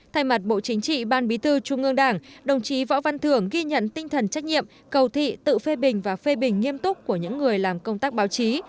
thay mặt bộ chính trị ban bí thư trung ương đảng đồng chí võ văn thưởng ghi nhận tinh thần trách nhiệm cầu thị tự phê bình và phê bình nghiêm túc của những người làm công tác báo chí